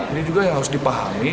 ini juga yang harus dipahami